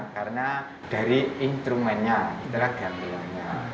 karena dari instrumennya itulah gambelannya